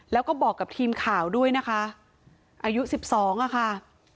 แล้วก็บอกกับทีมข่าวด้วยนะคะอายุสิบสองอ่ะค่ะ